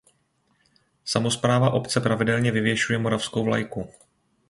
Samospráva obce pravidelně vyvěšuje moravskou vlajku.